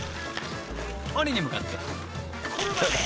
［鬼に向かって］